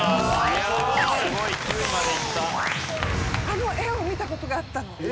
あの絵を見た事があったの。